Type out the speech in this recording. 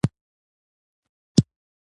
دویم: خپله ژبه هم کلا ده هم بلا